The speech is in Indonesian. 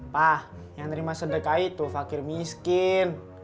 pak yang nerima sedekah itu fakir miskin